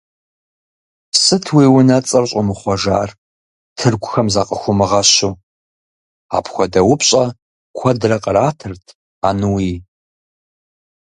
– Сыт уи унэцӀэр щӀумыхъуэжар, тыркухэм закъыхыумыгъэщу? – апхуэдэ упщӀэ куэдрэ къратырт Ауни.